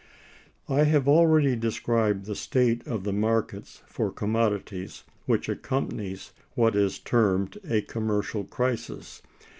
I have already described the state of the markets for commodities which accompanies what is termed a commercial crisis.